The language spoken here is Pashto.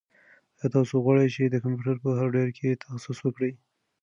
ایا تاسو غواړئ چې د کمپیوټر په هارډویر کې تخصص وکړئ؟